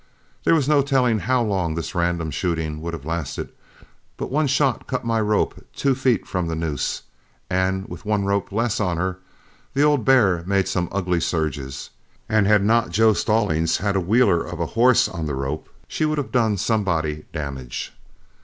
There was no telling how long this random shooting would have lasted; but one shot cut my rope two feet from the noose, and with one rope less on her the old bear made some ugly surges, and had not Joe Stallings had a wheeler of a horse on the rope, she would have done somebody damage.